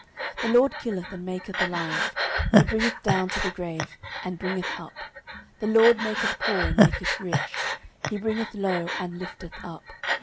09:002:006 The LORD killeth, and maketh alive: he bringeth down to the grave, and bringeth up. 09:002:007 The LORD maketh poor, and maketh rich: he bringeth low, and lifteth up.